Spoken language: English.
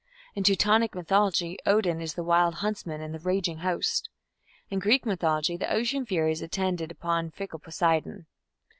In Teutonic mythology Odin is the "Wild Huntsman in the Raging Host". In Greek mythology the ocean furies attend upon fickle Poseidon.